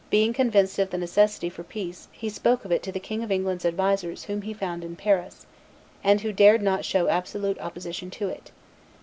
Being convinced of the necessity for peace, he spoke of it to the King of England's advisers whom he found in Paris, and who dared not show absolute opposition to it.